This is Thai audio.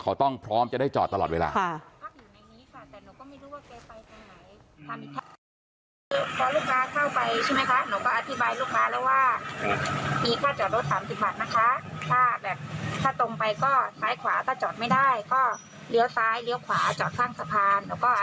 เขาต้องพร้อมจะได้จอดตลอดเวลา